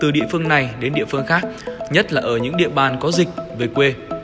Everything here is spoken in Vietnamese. từ địa phương này đến địa phương khác nhất là ở những địa bàn có dịch về quê